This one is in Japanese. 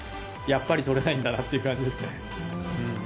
やっぱりとれないんだなっていう感じです。